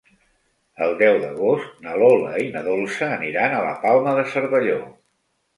El deu d'agost na Lola i na Dolça aniran a la Palma de Cervelló.